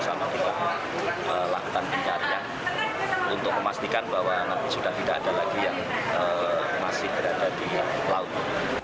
sama kita lakukan pencarian untuk memastikan bahwa sudah tidak ada lagi yang masih berada di laut